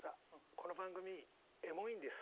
この番組エモいんです。